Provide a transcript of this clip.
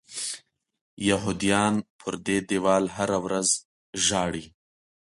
یهودیان پر دې دیوال هره ورځ ژاړي.